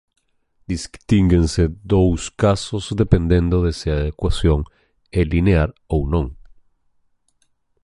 Distínguense dous casos dependendo de se a ecuación é linear ou non.